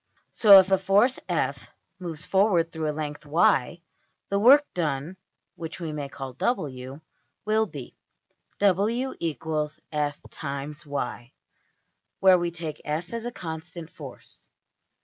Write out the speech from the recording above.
So if a force~$f$ moves forward through a length~$y$, the work done (which we may call~$w$) will be \[ w = f × y; \] where we take $f$ as a constant force.